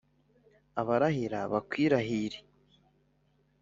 abarahira bakwirahire